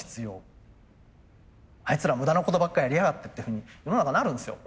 「あいつら無駄なことばっかやりやがって」っていうふうに世の中なるんですよ。